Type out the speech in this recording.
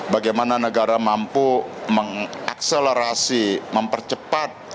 bagaimana negara mampu mengakselerasi mempercepat